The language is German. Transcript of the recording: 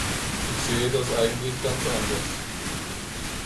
Ich sehe das eigentlich ganz anders.